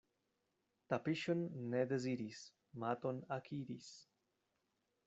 Tapiŝon ne deziris, maton akiris.